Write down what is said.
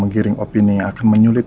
yang sudah menghilang